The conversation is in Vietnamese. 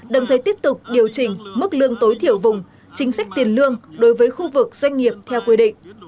đồng thời tiếp tục điều chỉnh mức lương tối thiểu vùng chính sách tiền lương đối với khu vực doanh nghiệp theo quy định